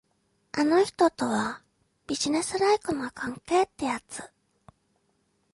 あの人とは、ビジネスライクな関係ってやつ。